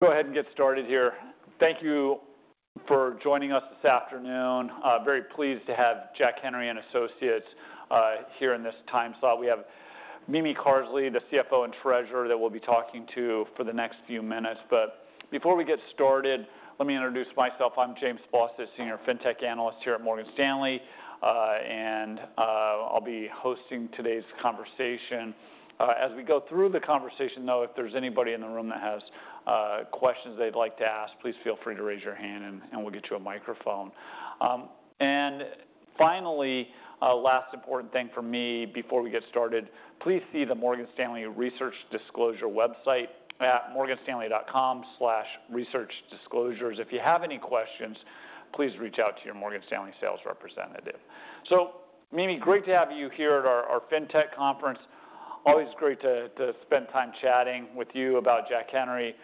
Go ahead and get started here. Thank you for joining us this afternoon. Very pleased to have Jack Henry & Associates here in this time slot. We have Mimi Carsley, the CFO and Treasurer, that we'll be talking to for the next few minutes. But before we get started, let me introduce myself. I'm James Faucette, a Senior Fintech Analyst here at Morgan Stanley, and I'll be hosting today's conversation. As we go through the conversation, though, if there's anybody in the room that has questions they'd like to ask, please feel free to raise your hand, and we'll get you a microphone. And finally, last important thing for me before we get started, please see the Morgan Stanley Research Disclosure website at morganstanley.com/researchdisclosures. If you have any questions, please reach out to your Morgan Stanley sales representative. So Mimi, great to have you here at our fintech conference. Always great to spend time chatting with you about Jack Henry.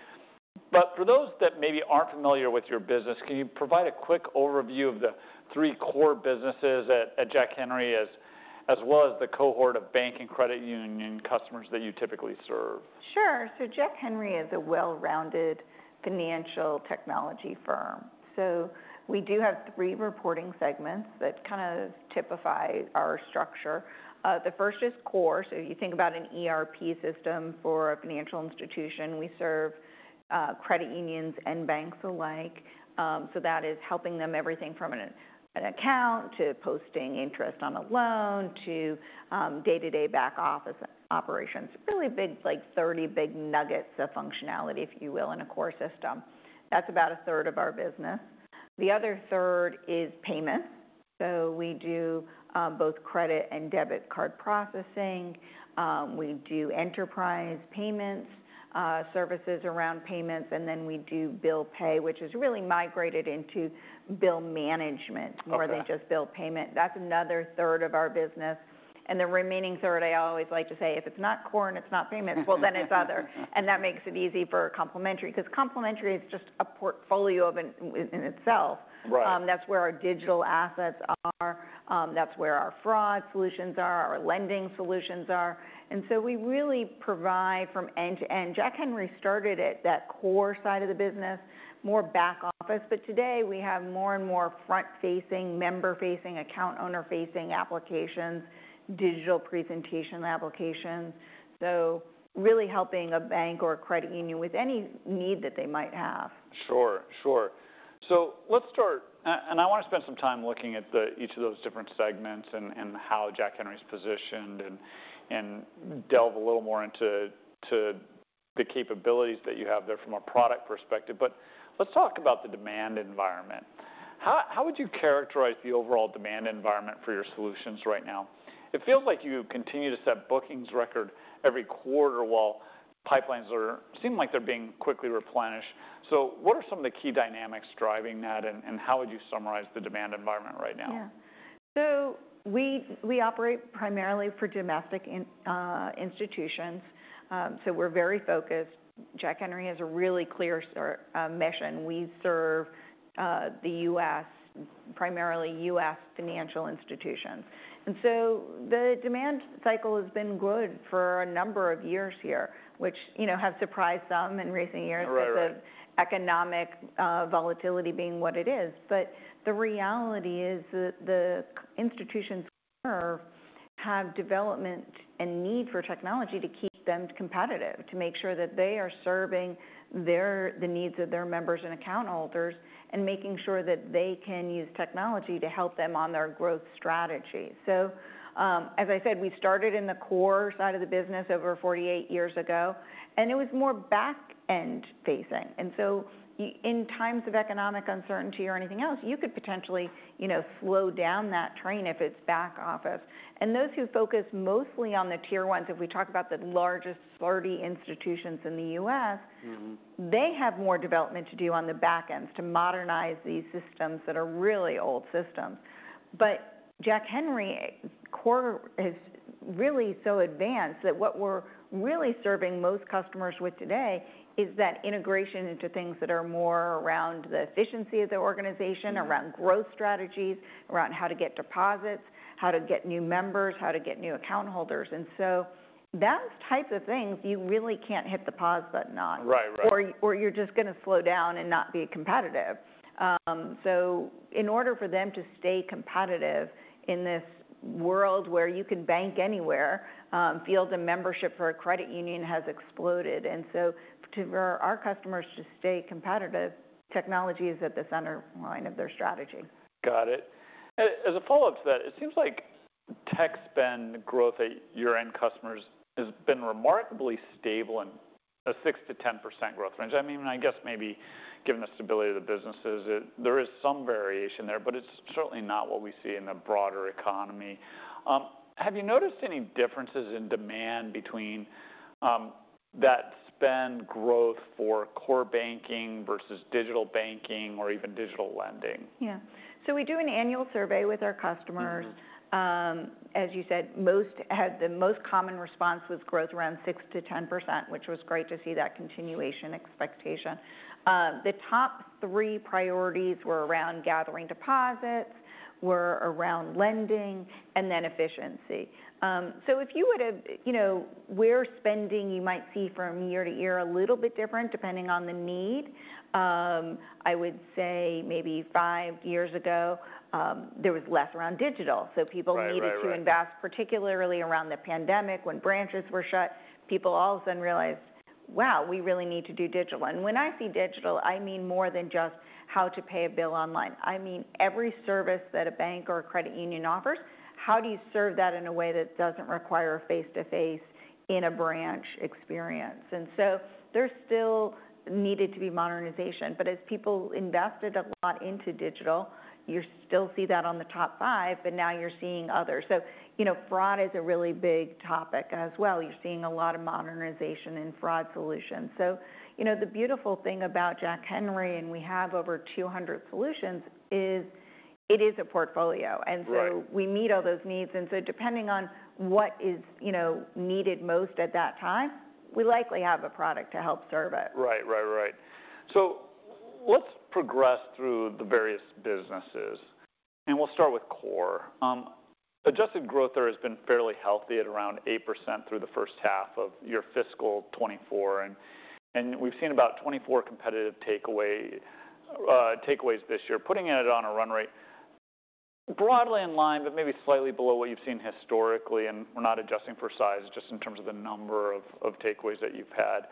But for those that maybe aren't familiar with your business, can you provide a quick overview of the three core businesses at Jack Henry, as well as the cohort of bank and credit union customers that you typically serve? Sure. So Jack Henry is a well-rounded financial technology firm. So we do have three reporting segments that kind of typify our structure. The first is core. So you think about an ERP system for a financial institution. We serve credit unions and banks alike. So that is helping them everything from an account to posting interest on a loan to day-to-day back office operations. Really big, like 30 big nuggets of functionality, if you will, in a core system. That's about 1/3 of our business. The other 1/3 is payments. So we do both credit and debit card processing. We do enterprise payments, services around payments, and then we do bill pay, which is really migrated into bill management more than just bill payment. That's another 1/3 of our business. And the remaining 1/3, I always like to say, if it's not core and it's not payments, well, then it's other. And that makes it easy for complementary, because complementary is just a portfolio in itself. That's where our digital assets are. That's where our fraud solutions are, our lending solutions are. And so we really provide from end-to-end. Jack Henry started at that core side of the business, more back office. But today we have more and more front-facing, member-facing, account-owner-facing applications, digital presentation applications. So really helping a bank or a credit union with any need that they might have. Sure, sure. So let's start, and I want to spend some time looking at each of those different segments and how Jack Henry's positioned and delve a little more into the capabilities that you have there from a product perspective. But let's talk about the demand environment. How would you characterize the overall demand environment for your solutions right now? It feels like you continue to set bookings record every quarter while pipelines seem like they're being quickly replenished. So what are some of the key dynamics driving that, and how would you summarize the demand environment right now? Yeah. So we operate primarily for domestic institutions. So we're very focused. Jack Henry has a really clear mission. We serve the U.S., primarily U.S. financial institutions. And so the demand cycle has been good for a number of years here, which has surprised some in recent years because of economic volatility being what it is. But the reality is that the institutions have development and need for technology to keep them competitive, to make sure that they are serving the needs of their members and account holders and making sure that they can use technology to help them on their growth strategy. So as I said, we started in the core side of the business over 48 years ago, and it was more back-end facing. And so in times of economic uncertainty or anything else, you could potentially slow down that train if it's back office. Those who focus mostly on the Tier 1s, if we talk about the largest 30 institutions in the U.S., they have more development to do on the back ends to modernize these systems that are really old systems. But Jack Henry's core is really so advanced that what we're really serving most customers with today is that integration into things that are more around the efficiency of the organization, around growth strategies, around how to get deposits, how to get new members, how to get new account holders. And so those types of things, you really can't hit the pause button on. Right, right. Or you're just going to slow down and not be competitive. So in order for them to stay competitive in this world where you can bank anywhere, fields of membership for a credit union have exploded. And so for our customers to stay competitive, technology is at the center line of their strategy. Got it. As a follow-up to that, it seems like tech spend growth at your end customers has been remarkably stable in a 6%-10% growth range. I mean, I guess maybe given the stability of the businesses, there is some variation there, but it's certainly not what we see in the broader economy. Have you noticed any differences in demand between that spend growth for core banking versus digital banking or even digital lending? Yeah. So we do an annual survey with our customers. As you said, the most common response was growth around 6%-10%, which was great to see that continuation expectation. The top 3 priorities were around gathering deposits, were around lending, and then efficiency. So if you would have where spending you might see from year to year a little bit different depending on the need, I would say maybe five years ago, there was less around digital. So people needed to invest, particularly around the pandemic when branches were shut. People all of a sudden realized, wow, we really need to do digital. And when I see digital, I mean more than just how to pay a bill online. I mean every service that a bank or a credit union offers, how do you serve that in a way that doesn't require a face-to-face in a branch experience? And so there still needed to be modernization. But as people invested a lot into digital, you still see that on the top five, but now you're seeing others. So fraud is a really big topic as well. You're seeing a lot of modernization in fraud solutions. So the beautiful thing about Jack Henry, and we have over 200 solutions, is it is a portfolio. And so we meet all those needs. And so depending on what is needed most at that time, we likely have a product to help serve it. Right, right, right. Let's progress through the various businesses. We'll start with core. Adjusted growth there has been fairly healthy at around 8% through the first half of your fiscal 2024. We've seen about 24 competitive takeaways this year, putting it on a run rate broadly in line, but maybe slightly below what you've seen historically. We're not adjusting for size just in terms of the number of takeaways that you've had.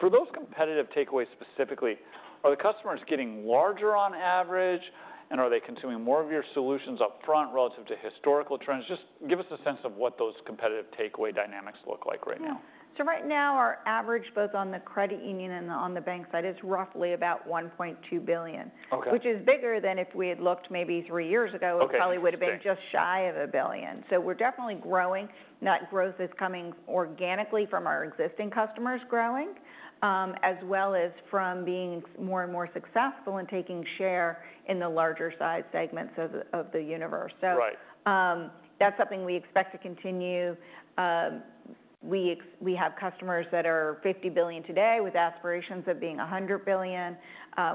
For those competitive takeaways specifically, are the customers getting larger on average, and are they consuming more of your solutions upfront relative to historical trends? Just give us a sense of what those competitive takeaway dynamics look like right now. So right now, our average both on the credit union and on the bank side is roughly about $1.2 billion, which is bigger than if we had looked maybe three years ago; it probably would have been just shy of $1 billion. So we're definitely growing. That growth is coming organically from our existing customers growing, as well as from being more and more successful and taking share in the larger size segments of the universe. So that's something we expect to continue. We have customers that are $50 billion today with aspirations of being $100 billion.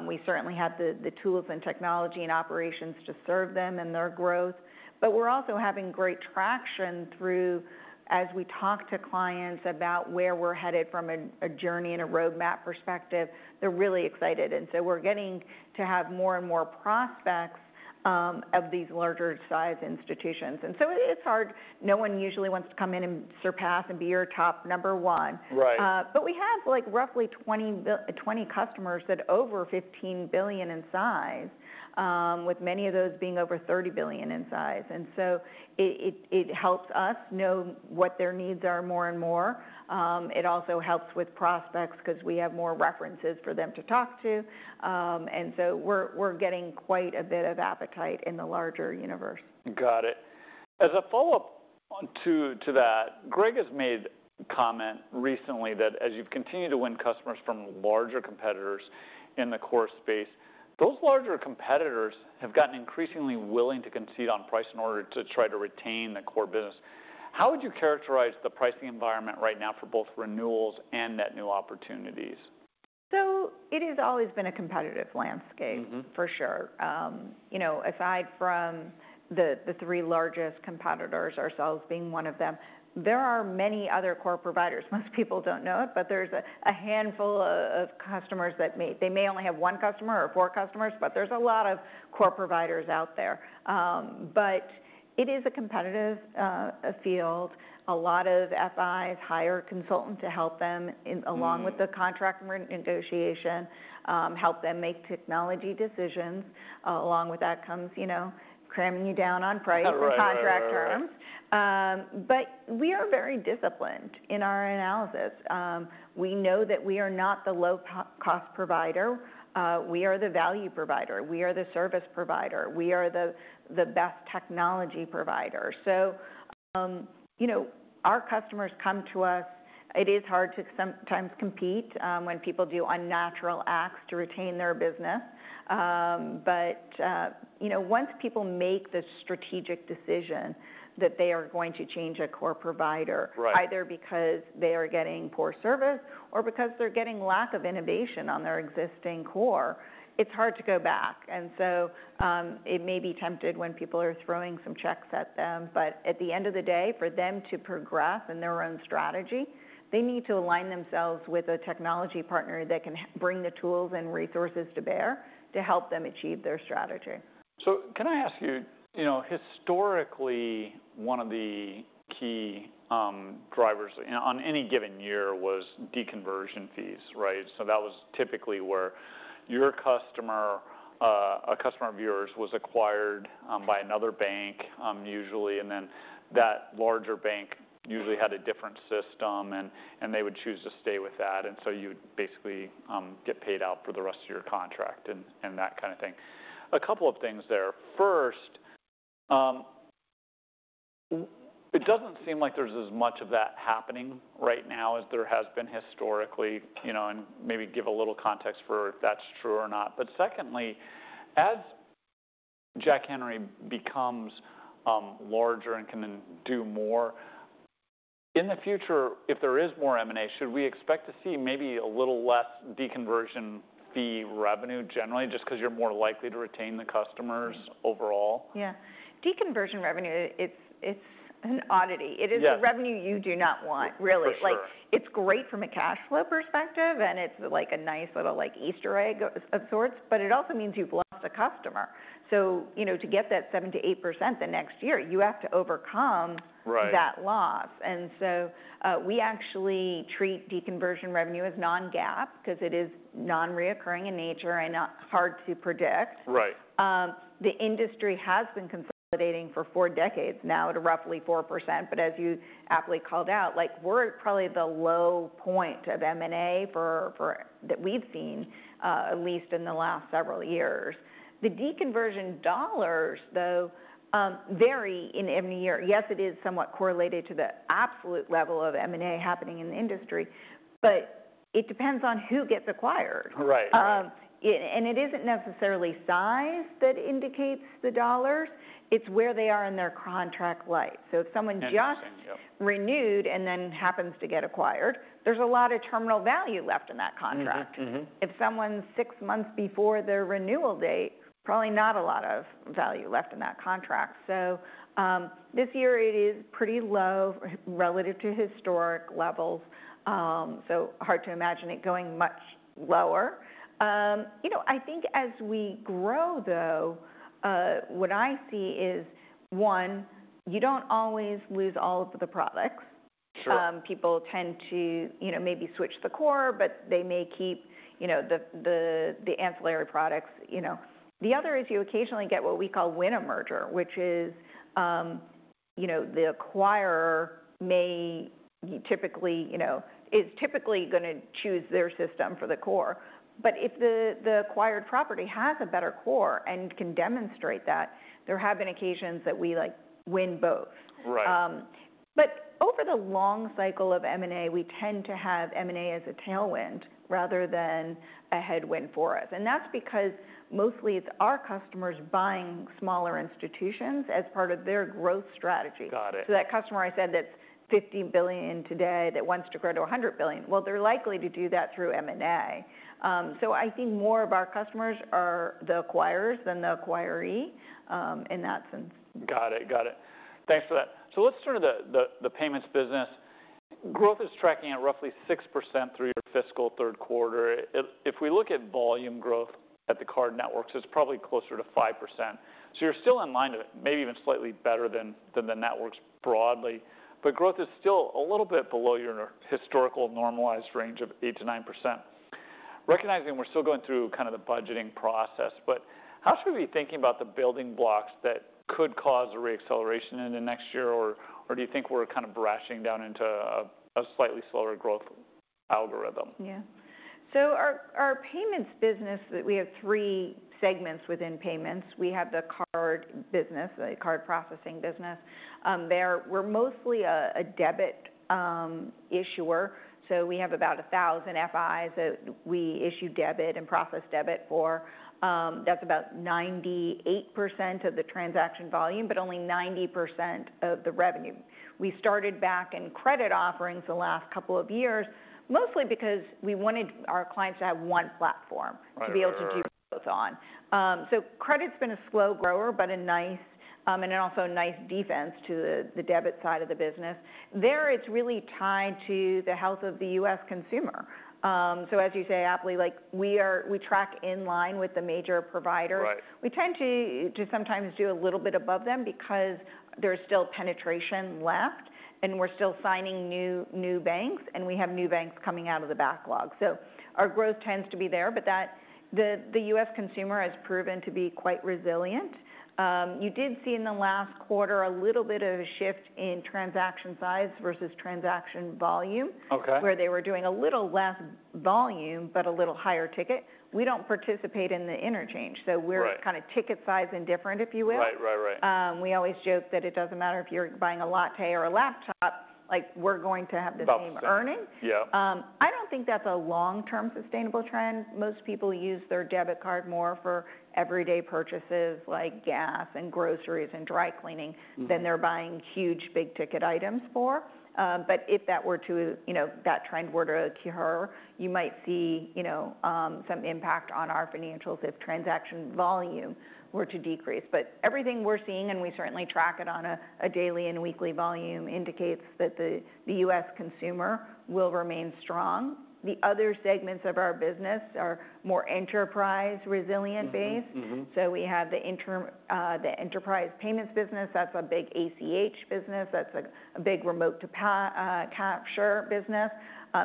We certainly have the tools and technology and operations to serve them and their growth. But we're also having great traction through, as we talk to clients about where we're headed from a journey and a roadmap perspective, they're really excited. We're getting to have more and more prospects of these larger size institutions. It's hard. No one usually wants to come in and surpass and be your top number one. But we have roughly 20 customers that are over $15 billion in size, with many of those being over $30 billion in size. It helps us know what their needs are more and more. It also helps with prospects because we have more references for them to talk to. We're getting quite a bit of appetite in the larger universe. Got it. As a follow-up to that, Greg has made a comment recently that as you've continued to win customers from larger competitors in the core space, those larger competitors have gotten increasingly willing to concede on price in order to try to retain the core business. How would you characterize the pricing environment right now for both renewals and net new opportunities? So it has always been a competitive landscape, for sure. Aside from the three largest competitors, ourselves being one of them, there are many other core providers. Most people don't know it, but there's a handful of customers that may, they may only have one customer or four customers, but there's a lot of core providers out there. But it is a competitive field. A lot of FIs hire consultants to help them along with the contract negotiation, help them make technology decisions. Along with that comes cramming you down on price and contract terms. But we are very disciplined in our analysis. We know that we are not the low-cost provider. We are the value provider. We are the service provider. We are the best technology provider. So our customers come to us. It is hard to sometimes compete when people do unnatural acts to retain their business. Once people make the strategic decision that they are going to change a core provider, either because they are getting poor service or because they're getting lack of innovation on their existing core, it's hard to go back. So they may be tempted when people are throwing some checks at them. At the end of the day, for them to progress in their own strategy, they need to align themselves with a technology partner that can bring the tools and resources to bear to help them achieve their strategy. So can I ask you, historically, one of the key drivers on any given year was deconversion fees, right? So that was typically where your customer, a customer of yours, was acquired by another bank, usually. And then that larger bank usually had a different system, and they would choose to stay with that. And so you'd basically get paid out for the rest of your contract and that kind of thing. A couple of things there. First, it doesn't seem like there's as much of that happening right now as there has been historically, and maybe give a little context for if that's true or not. But secondly, as Jack Henry becomes larger and can do more, in the future, if there is more M&A, should we expect to see maybe a little less deconversion fee revenue generally, just because you're more likely to retain the customers overall? Yeah. Deconversion revenue, it's an oddity. It is a revenue you do not want, really. It's great from a cash flow perspective, and it's like a nice little Easter egg of sorts, but it also means you've lost a customer. So to get that 7%-8% the next year, you have to overcome that loss. And so we actually treat deconversion revenue as non-GAAP because it is non-recurring in nature and hard to predict. The industry has been consolidating for four decades now at roughly 4%. But as you aptly called out, we're probably the low point of M&A that we've seen, at least in the last several years. The deconversion dollars, though, vary in every year. Yes, it is somewhat correlated to the absolute level of M&A happening in the industry, but it depends on who gets acquired. And it isn't necessarily size that indicates the dollars. It's where they are in their contract life. So if someone just renewed and then happens to get acquired, there's a lot of terminal value left in that contract. If someone's six months before their renewal date, probably not a lot of value left in that contract. So this year, it is pretty low relative to historic levels. So hard to imagine it going much lower. I think as we grow, though, what I see is, one, you don't always lose all of the products. People tend to maybe switch the core, but they may keep the ancillary products. The other is you occasionally get what we call win a merger, which is the acquirer may typically is typically going to choose their system for the core. But if the acquired property has a better core and can demonstrate that, there have been occasions that we win both. But over the long cycle of M&A, we tend to have M&A as a tailwind rather than a headwind for us. And that's because mostly it's our customers buying smaller institutions as part of their growth strategy. So that customer I said that's $50 billion today that wants to grow to $100 billion, well, they're likely to do that through M&A. So I think more of our customers are the acquirers than the acquiree in that sense. Got it, got it. Thanks for that. So let's turn to the payments business. Growth is tracking at roughly 6% through your fiscal third quarter. If we look at volume growth at the card networks, it's probably closer to 5%. So you're still in line to maybe even slightly better than the networks broadly. But growth is still a little bit below your historical normalized range of 8%-9%. Recognizing we're still going through kind of the budgeting process, but how should we be thinking about the building blocks that could cause a reacceleration in the next year? Or do you think we're kind of brushing down into a slightly slower growth algorithm? Yeah. So our payments business, we have three segments within payments. We have the card business, the card processing business. We're mostly a debit issuer. So we have about 1,000 FIs that we issue debit and process debit for. That's about 98% of the transaction volume, but only 90% of the revenue. We started back in credit offerings the last couple of years, mostly because we wanted our clients to have one platform to be able to do both on. So credit's been a slow grower, but a nice, and then also a nice defense to the debit side of the business. There, it's really tied to the health of the U.S. consumer. So as you say, aptly, we track in line with the major providers. We tend to sometimes do a little bit above them because there's still penetration left, and we're still signing new banks, and we have new banks coming out of the backlog. So our growth tends to be there, but the U.S. consumer has proven to be quite resilient. You did see in the last quarter a little bit of a shift in transaction size versus transaction volume, where they were doing a little less volume, but a little higher ticket. We don't participate in the interchange. So we're kind of ticket size indifferent, if you will. We always joke that it doesn't matter if you're buying a latte or a laptop, we're going to have the same earning. I don't think that's a long-term sustainable trend. Most people use their debit card more for everyday purchases like gas and groceries and dry cleaning than they're buying huge big ticket items for. But if that were to, that trend were to occur, you might see some impact on our financials if transaction volume were to decrease. But everything we're seeing, and we certainly track it on a daily and weekly volume, indicates that the U.S. consumer will remain strong. The other segments of our business are more enterprise-resilient-based. So we have the enterprise payments business. That's a big ACH business. That's a big remote capture business.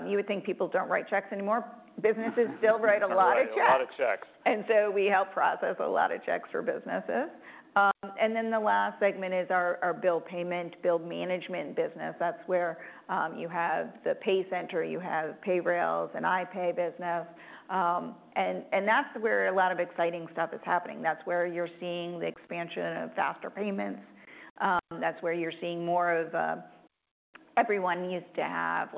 You would think people don't write checks anymore. Businesses still write a lot of checks. They write a lot of checks. And so we help process a lot of checks for businesses. Then the last segment is our bill payment, bill management business. That's where you have the PayCenter, you have Payrailz and iPay business. And that's where a lot of exciting stuff is happening. That's where you're seeing the expansion of faster payments. That's where you're seeing more of everyone needs to have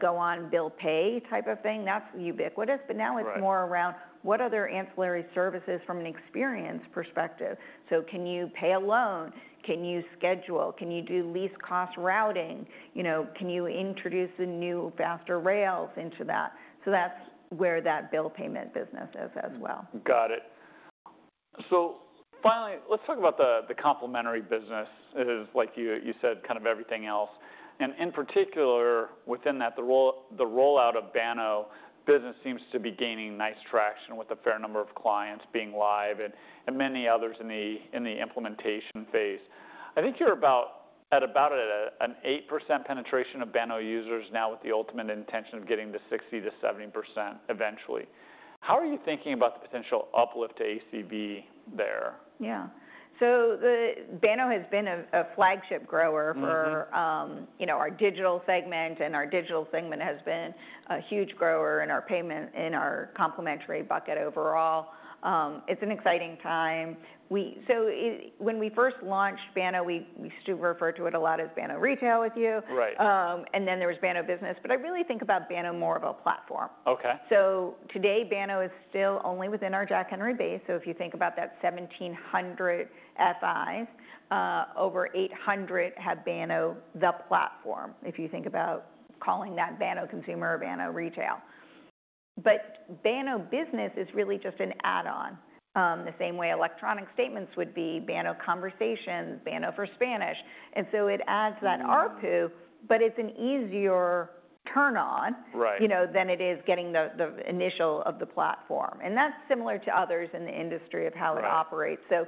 go on bill pay type of thing. That's ubiquitous. But now it's more around what are their ancillary services from an experience perspective. So can you pay a loan? Can you schedule? Can you do least cost routing? Can you introduce the new faster rails into that? So that's where that bill payment business is as well. Got it. Finally, let's talk about the complementary business. It is, like you said, kind of everything else. In particular, within that, the rollout of Banno Business seems to be gaining nice traction with a fair number of clients being live and many others in the implementation phase. I think you're at about an 8% penetration of Banno users now with the ultimate intention of getting to 60%-70% eventually. How are you thinking about the potential uplift to ACV there? Yeah. So Banno has been a flagship grower for our digital segment, and our digital segment has been a huge grower in our complementary bucket overall. It's an exciting time. So when we first launched Banno, we used to refer to it a lot as Banno Retail [view]. And then there was Banno Business. But I really think about Banno more of a platform. So today, Banno is still only within our Jack Henry base. So if you think about that 1,700 FIs, over 800 have Banno the platform, if you think about calling that Banno consumer or Banno Retail. But Banno Business is really just an add-on, the same way electronic statements would be Banno Conversations, Banno for Spanish. And so it adds that RPU, but it's an easier turn-on than it is getting the initial of the platform. That's similar to others in the industry of how it operates. So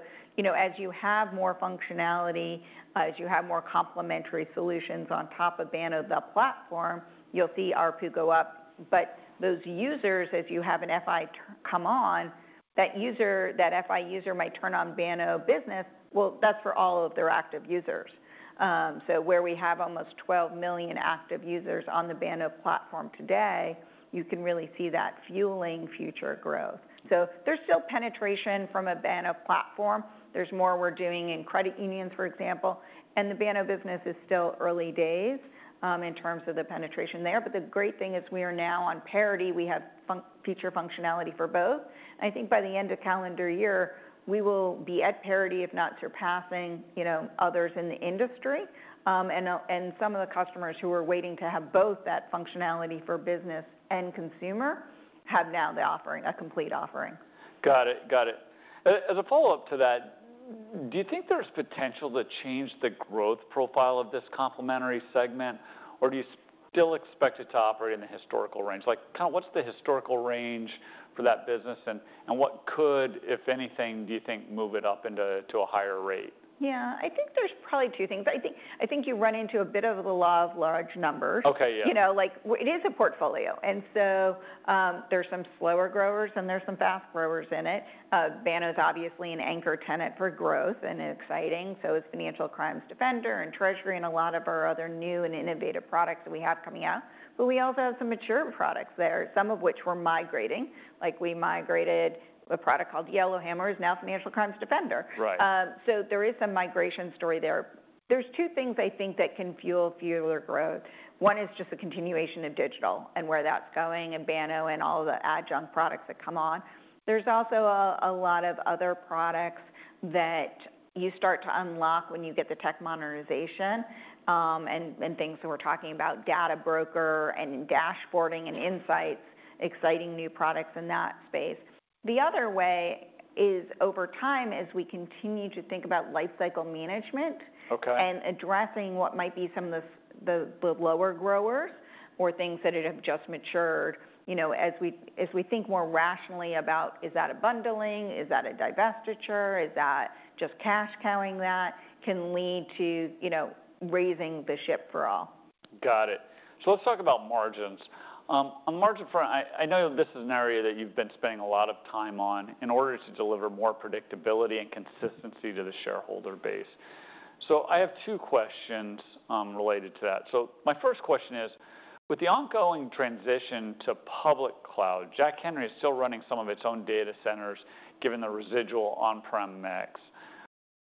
as you have more functionality, as you have more complementary solutions on top of Banno the platform, you'll see RPU go up. But those users, as you have an FI come on, that FI user might turn on Banno Business. Well, that's for all of their active users. So where we have almost 12 million active users on the Banno platform today, you can really see that fueling future growth. So there's still penetration from a Banno platform. There's more we're doing in credit unions, for example. And the Banno Business is still early days in terms of the penetration there. But the great thing is we are now on parity. We have feature functionality for both. I think by the end of calendar year, we will be at parity, if not surpassing others in the industry. Some of the customers who are waiting to have both that functionality for business and consumer have now the offering, a complete offering. Got it. Got it. As a follow-up to that, do you think there's potential to change the growth profile of this complementary segment? Or do you still expect it to operate in the historical range? Kind of what's the historical range for that business? And what could, if anything, do you think move it up into a higher rate? Yeah. I think there's probably two things. I think you run into a bit of the law of large numbers. It is a portfolio. And so there's some slower growers and there's some fast growers in it. Banno is obviously an anchor tenant for growth and exciting. So it's Financial Crimes Defender and Treasury and a lot of our other new and innovative products that we have coming out. But we also have some mature products there, some of which we're migrating. We migrated a product called Yellowhammer, now Financial Crimes Defender. So there is some migration story there. There's two things I think that can fuel future growth. One is just the continuation of digital and where that's going and Banno and all the adjunct products that come on. There's also a lot of other products that you start to unlock when you get the tech modernization and things that we're talking about, DataBroker and dashboarding and insights, exciting new products in that space. The other way is over time as we continue to think about lifecycle management and addressing what might be some of the lower growers or things that have just matured, as we think more rationally about, is that a bundling? Is that a divestiture? Is that just cash cowing that can lead to raising the ship for all? Got it. So let's talk about margins. On the margin front, I know this is an area that you've been spending a lot of time on in order to deliver more predictability and consistency to the shareholder base. So I have two questions related to that. So my first question is, with the ongoing transition to public cloud, Jack Henry is still running some of its own data centers given the residual on-prem mix.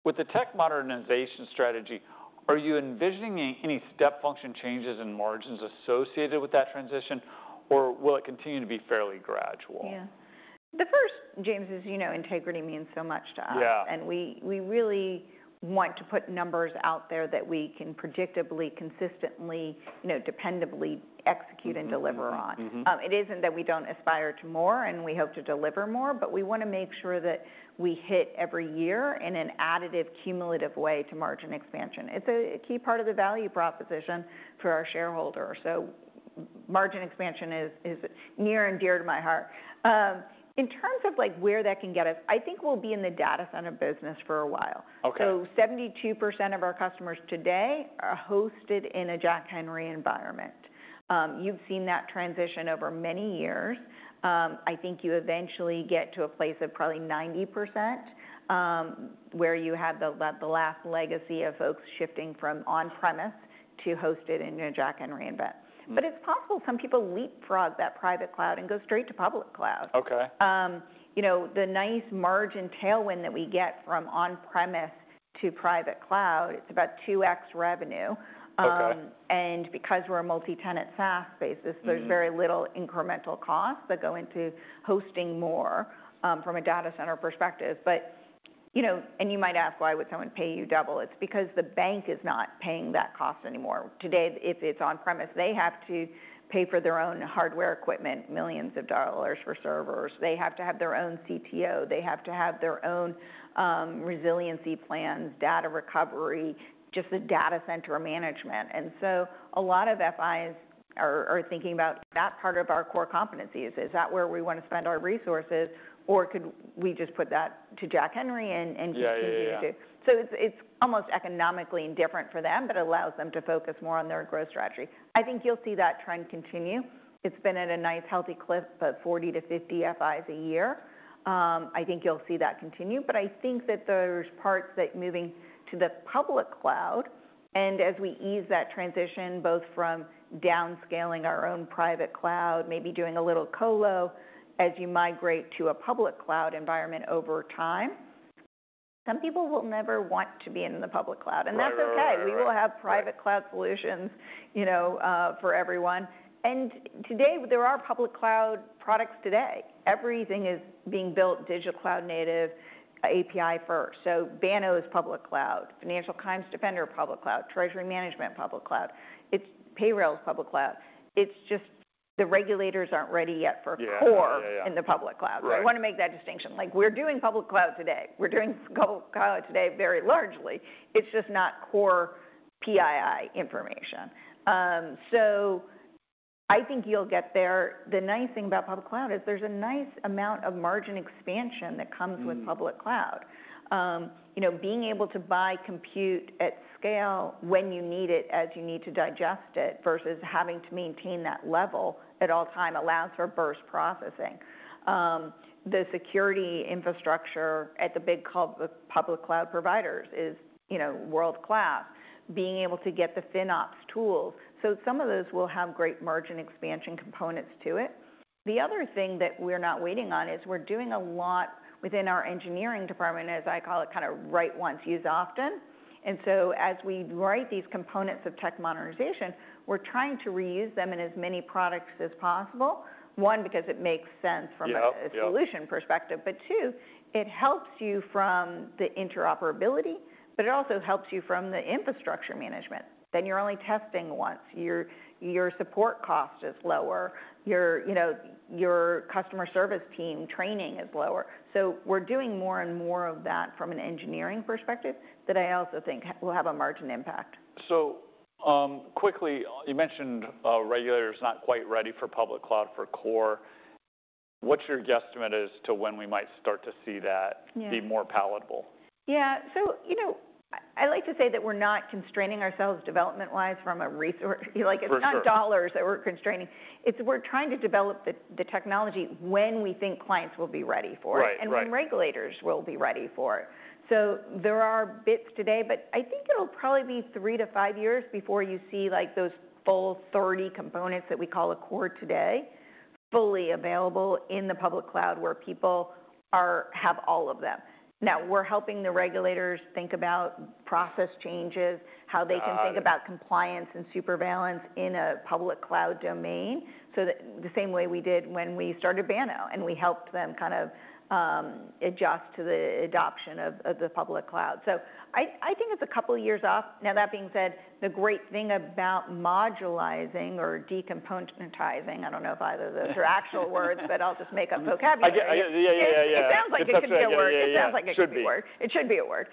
With the tech modernization strategy, are you envisioning any step function changes in margins associated with that transition? Or will it continue to be fairly gradual? Yeah. The first, James, is integrity means so much to us. And we really want to put numbers out there that we can predictably, consistently, dependably execute and deliver on. It isn't that we don't aspire to more and we hope to deliver more, but we want to make sure that we hit every year in an additive, cumulative way to margin expansion. It's a key part of the value proposition for our shareholders. So margin expansion is near and dear to my heart. In terms of where that can get us, I think we'll be in the data center business for a while. So 72% of our customers today are hosted in a Jack Henry environment. You've seen that transition over many years. I think you eventually get to a place of probably 90% where you have the last legacy of folks shifting from on-premise to hosted in a Jack Henry environment. But it's possible some people leapfrog that private cloud and go straight to public cloud. The nice margin tailwind that we get from on-premise to private cloud, it's about 2x revenue. And because we're a multi-tenant SaaS basis, there's very little incremental costs that go into hosting more from a data center perspective. And you might ask, why would someone pay you double? It's because the bank is not paying that cost anymore. Today, if it's on-premise, they have to pay for their own hardware equipment, millions of dollars for servers. They have to have their own CTO. They have to have their own resiliency plans, data recovery, just the data center management. And so a lot of FIs are thinking about that part of our core competencies. Is that where we want to spend our resources? Or could we just put that to Jack Henry and continue to? So it's almost economically indifferent for them, but it allows them to focus more on their growth strategy. I think you'll see that trend continue. It's been at a nice healthy clip of 40-50 FIs a year. I think you'll see that continue. But I think that there's parts that moving to the public cloud. And as we ease that transition, both from downscaling our own private cloud, maybe doing a little colo as you migrate to a public cloud environment over time, some people will never want to be in the public cloud. And that's okay. We will have private cloud solutions for everyone. Today, there are public cloud products today. Everything is being built digital cloud native API first. Banno is public cloud. Financial Crimes Defender is public cloud. Treasury Management is public cloud. Payrailz is public cloud. It's just the regulators aren't ready yet for core in the public cloud. I want to make that distinction. We're doing public cloud today. We're doing public cloud today very largely. It's just not core PII information. I think you'll get there. The nice thing about public cloud is there's a nice amount of margin expansion that comes with public cloud. Being able to buy compute at scale when you need it as you need to digest it versus having to maintain that level at all time allows for burst processing. The security infrastructure at the big public cloud providers is world-class. Being able to get the FinOps tools. So some of those will have great margin expansion components to it. The other thing that we're not waiting on is we're doing a lot within our engineering department, as I call it, kind of write once, use often. And so as we write these components of tech modernization, we're trying to reuse them in as many products as possible. One, because it makes sense from a solution perspective. But two, it helps you from the interoperability, but it also helps you from the infrastructure management. Then you're only testing once. Your support cost is lower. Your customer service team training is lower. So we're doing more and more of that from an engineering perspective that I also think will have a margin impact. So quickly, you mentioned regulators not quite ready for public cloud for core. What's your guesstimate as to when we might start to see that be more palatable? Yeah. So I like to say that we're not constraining ourselves development-wise from a resource. It's not dollars that we're constraining. We're trying to develop the technology when we think clients will be ready for it and when regulators will be ready for it. So there are bits today, but I think it'll probably be three to five years before you see those full 30 components that we call a core today fully available in the public cloud where people have all of them. Now, we're helping the regulators think about process changes, how they can think about compliance and supervision in a public cloud domain the same way we did when we started Banno and we helped them kind of adjust to the adoption of the public cloud. So I think it's a couple of years off. Now, that being said, the great thing about modularizing or decomponentizing, I don't know if either of those are actual words, but I'll just make up vocabulary. It sounds like it could still work. It sounds like it could still work. It should be a word.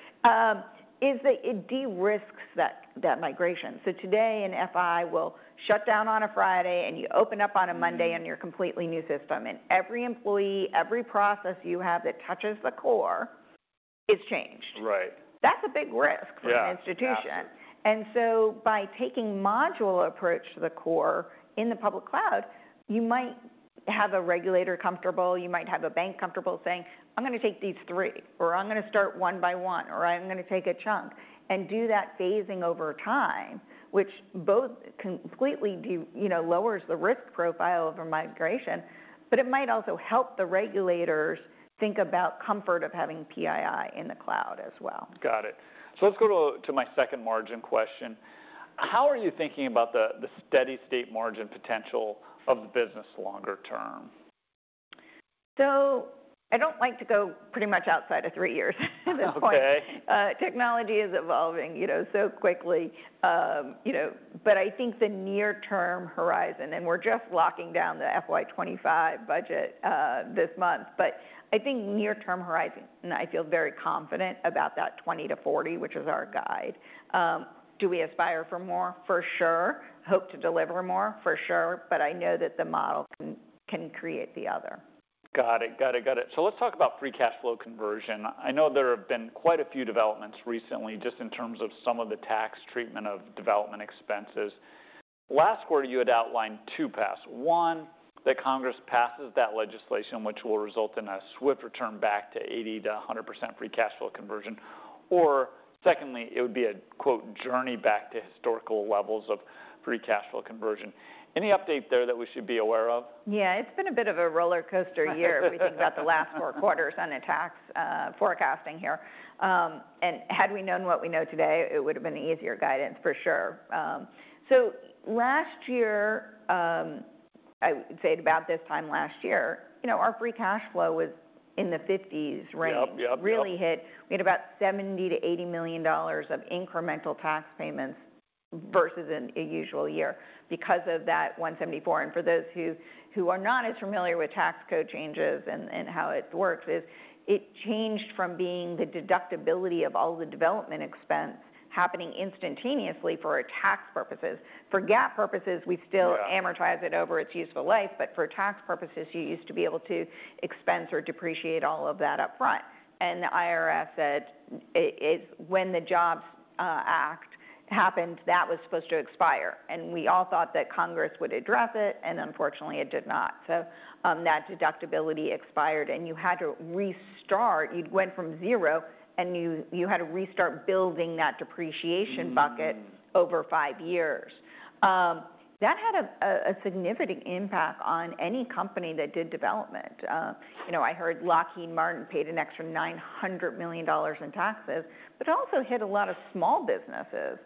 Is that it de-risks that migration. So today an FI will shut down on a Friday and you open up on a Monday and you're a completely new system. And every employee, every process you have that touches the core is changed. That's a big risk for an institution. And so by taking a modular approach to the core in the public cloud, you might have a regulator comfortable. You might have a bank comfortable saying, "I'm going to take these three," or "I'm going to start one by one," or "I'm going to take a chunk," and do that phasing over time, which both completely lowers the risk profile of a migration, but it might also help the regulators think about the comfort of having PII in the cloud as well. Got it. Let's go to my second margin question. How are you thinking about the steady state margin potential of the business longer term? I don't like to go pretty much outside of three years at this point. Technology is evolving so quickly. But I think the near-term horizon, and we're just locking down the FY 2025 budget this month, but I think near-term horizon, and I feel very confident about that 20-40, which is our guide. Do we aspire for more? For sure. Hope to deliver more? For sure. But I know that the model can create the other. Got it. Got it. Got it. So let's talk about free cash flow conversion. I know there have been quite a few developments recently just in terms of some of the tax treatment of development expenses. Last quarter, you had outlined two paths. One, that Congress passes that legislation, which will result in a swift return back to 80%-100% free cash flow conversion. Or secondly, it would be a "journey back to historical levels of free cash flow conversion." Any update there that we should be aware of? Yeah. It's been a bit of a roller coaster year if we think about the last four quarters on the tax forecasting here. And had we known what we know today, it would have been easier guidance for sure. So last year, I would say about this time last year, our free cash flow was in the 50s range. We hit about $70 million-$80 million of incremental tax payments versus a usual year because of that 174. And for those who are not as familiar with tax code changes and how it works, it changed from being the deductibility of all the development expense happening instantaneously for tax purposes. For GAAP purposes, we still amortize it over its useful life. But for tax purposes, you used to be able to expense or depreciate all of that upfront. The IRS said when the Jobs Act happened, that was supposed to expire. We all thought that Congress would address it, and unfortunately, it did not. So that deductibility expired, and you had to restart. You went from zero, and you had to restart building that depreciation bucket over five years. That had a significant impact on any company that did development. I heard Lockheed Martin paid an extra $900 million in taxes, but it also hit a lot of small businesses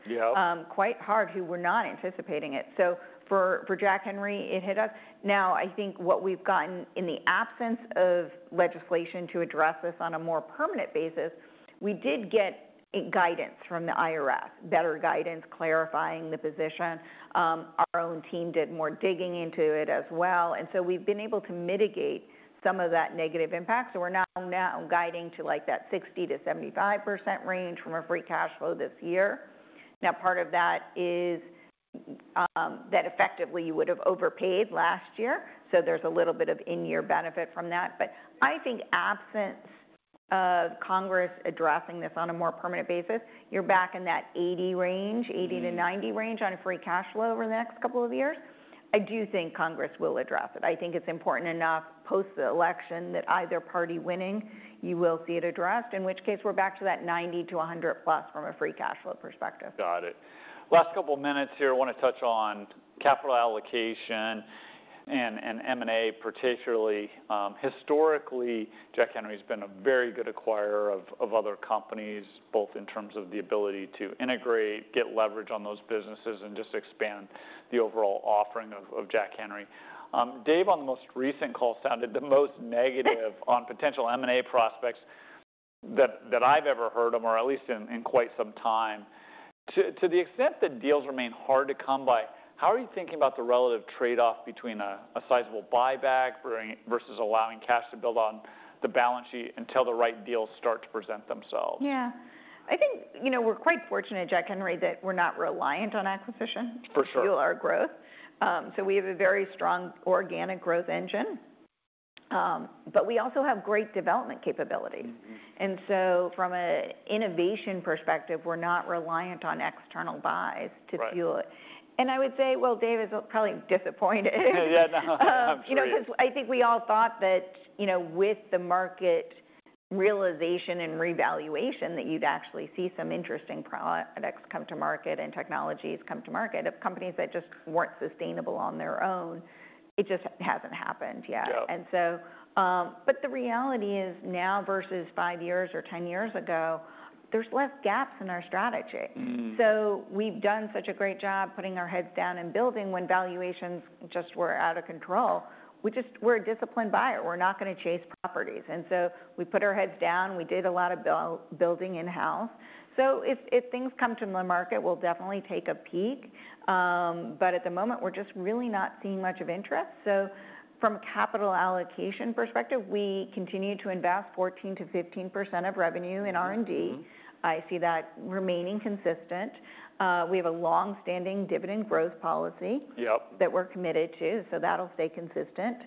quite hard who were not anticipating it. So for Jack Henry, it hit us. Now, I think what we've gotten in the absence of legislation to address this on a more permanent basis. We did get guidance from the IRS, better guidance clarifying the position. Our own team did more digging into it as well. So we've been able to mitigate some of that negative impact. So we're now guiding to that 60%-75% range from a free cash flow this year. Now, part of that is that effectively you would have overpaid last year. So there's a little bit of in-year benefit from that. But I think absence of Congress addressing this on a more permanent basis, you're back in that 80% range, 80%-90% range on free cash flow over the next couple of years. I do think Congress will address it. I think it's important enough post-election that either party winning, you will see it addressed, in which case we're back to that 90%-100%+ from a free cash flow perspective. Got it. Last couple of minutes here. I want to touch on capital allocation and M&A, particularly historically, Jack Henry has been a very good acquirer of other companies, both in terms of the ability to integrate, get leverage on those businesses, and just expand the overall offering of Jack Henry. Dave, on the most recent call, sounded the most negative on potential M&A prospects that I've ever heard of, or at least in quite some time. To the extent that deals remain hard to come by, how are you thinking about the relative trade-off between a sizable buyback versus allowing cash to build on the balance sheet until the right deals start to present themselves? Yeah. I think we're quite fortunate, Jack Henry, that we're not reliant on acquisition to fuel our growth. So we have a very strong organic growth engine, but we also have great development capabilities. And so from an innovation perspective, we're not reliant on external buys to fuel it. And I would say, well, Dave is probably disappointed. Yeah, no. I'm sure. Because I think we all thought that with the market realization and revaluation that you'd actually see some interesting products come to market and technologies come to market of companies that just weren't sustainable on their own, it just hasn't happened yet. But the reality is now versus five years or 10 years ago, there's less gaps in our strategy. So we've done such a great job putting our heads down and building when valuations just were out of control. We're a disciplined buyer. We're not going to chase properties. And so we put our heads down. We did a lot of building in-house. So if things come to the market, we'll definitely take a peek. But at the moment, we're just really not seeing much of interest. So from a capital allocation perspective, we continue to invest 14%-15% of revenue in R&D. I see that remaining consistent. We have a long-standing dividend growth policy that we're committed to. So that'll stay consistent.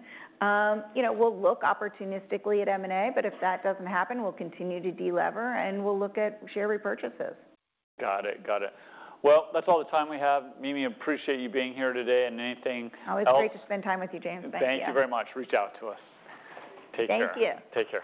We'll look opportunistically at M&A, but if that doesn't happen, we'll continue to delever and we'll look at share repurchases. Got it. Got it. Well, that's all the time we have. Mimi, appreciate you being here today. And anything else? Always great to spend time with you, James. Thanks again. Thank you very much. Reach out to us. Take care. Thank you. Take care.